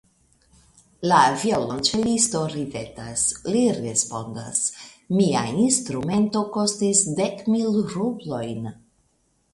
La violonĉelisto ridetas; li respondas: Mia instrumento kostis dek mil rublojn.